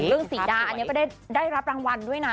เรื่องสีดาอันนี้ได้รับรางวัลด้วยนะ